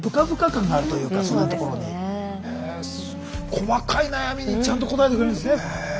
細かい悩みにちゃんと応えてくれるんですね。